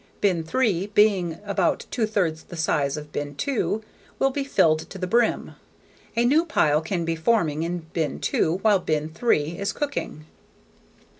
Bin three, being about two thirds the size of bin two, will be filled to the brim. A new pile can be forming in bin two while bin three is cooking.